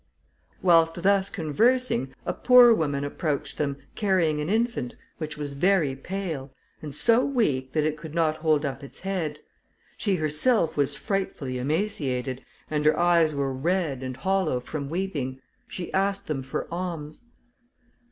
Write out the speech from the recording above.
Whilst thus conversing, a poor woman approached them, carrying an infant, which was very pale, and so weak, that it could not hold up its head; she herself was frightfully emaciated, and her eyes were red and hollow from weeping; she asked them for alms.